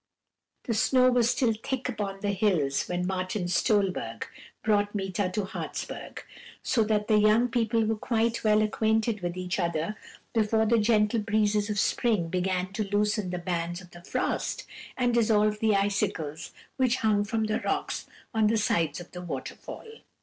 The snow was still thick upon the hills when Martin Stolberg brought Meeta to Hartsberg; so that the young people were quite well acquainted with each other before the gentle breezes of spring began to loosen the bands of the frost, and dissolve the icicles which hung from the rocks on the sides of the waterfall.